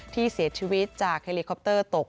ที่เสียชีวิตจากเฮลิคอปเตอร์ตก